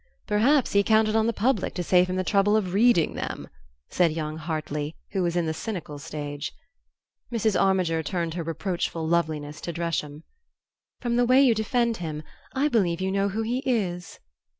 "Perhaps he counted on the public to save him the trouble of reading them," said young Hartly, who was in the cynical stage. Mrs. Armiger turned her reproachful loveliness to Dresham. "From the way you defend him, I believe you know who he is."